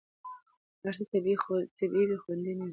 هر څه طبیعي وي، خوندي نه وي.